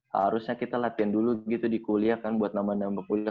harusnya kita latihan dulu gitu di kuliah kan buat nambah nambah kuliah